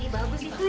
bagus itu ya